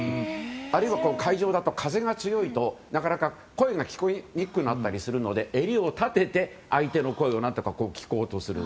あるいは、海上だと風が強いとなかなか声が聞こえにくくなったりするので襟を立てて相手の声を何とか聞こうとする。